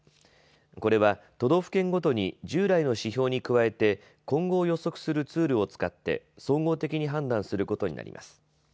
これは都道府県ごとに従来の指標に加えて今後を予測するツールを使って総合的に判断することになります。